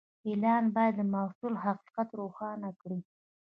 اعلان باید د محصول حقیقت روښانه کړي.